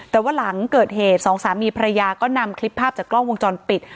แต่ว่าหลังเกิดเหตุสองสามีภรรยาก็นำคลิปภาพจากกล้องวงจรปิด